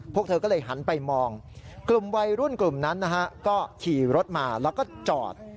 พวกเธอก็เลยหันไปมองกลุ่มวัยรุ่นกลุ่มนั้นนะฮะก็ขี่รถมาแล้วก็จอด